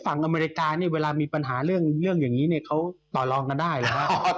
ฝั่งอเมริกาเวลามีปัญหาเรื่องอย่างนี้เขาตอลองกันได้หรือว่า